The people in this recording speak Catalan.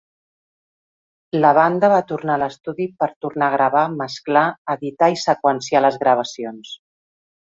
La banda va tornar a l'estudi per tornar a gravar, mesclar, editar i seqüenciar les gravacions.